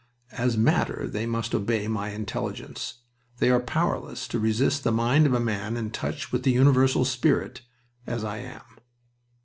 As matter they must obey my intelligence. They are powerless to resist the mind of a man in touch with the Universal Spirit, as I am."